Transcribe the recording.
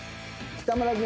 北村君。